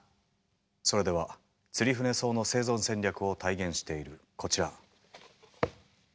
それではツリフネソウの生存戦略を体現しているこちら。